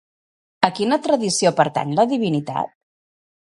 A quina tradició pertany la divinitat?